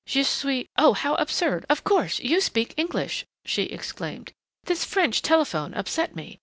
"Je suis oh, how absurd! Of course you speak English," she exclaimed. "This French telephone upset me....